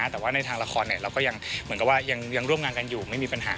แต่ว่าในทางละครเราก็ยังเหมือนกับว่ายังร่วมงานกันอยู่ไม่มีปัญหา